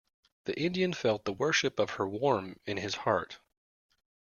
The Indian felt the worship of her warm in his heart.